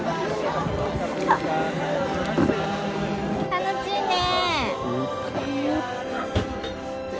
楽しいね。